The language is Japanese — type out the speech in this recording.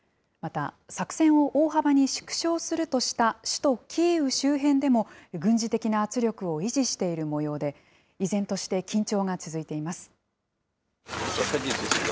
また、作戦を大幅に縮小するとした首都キーウ周辺でも、軍事的な圧力を維持しているもようで、依然として緊張が続いています。